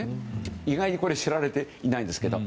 意外に知られていないですけど。